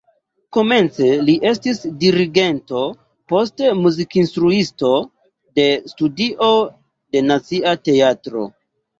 Komence li estis dirigento, poste muzikinstruisto de studio de Nacia Teatro.